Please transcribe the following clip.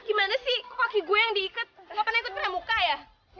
gimana sih kok kaki gue yang diikat gak pernah ikut pernah muka ya